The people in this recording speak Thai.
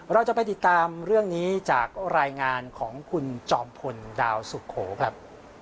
เราจะไปติดตามเรื่องนี้จากรายงานของคุณจอมพลดาวสุโขครับ